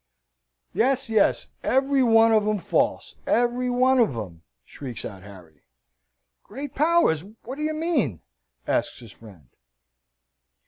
"Yes, yes, every one of 'em false every one of 'em!" shrieks out Harry. "Great powers, what do you mean?" asks his friend.